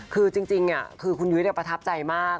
คือจริงคือคุณยุ้ยประทับใจมาก